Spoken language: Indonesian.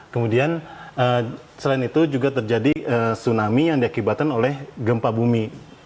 kemudian selain itu juga terjadi tsunami yang diakibatkan oleh gempa bumi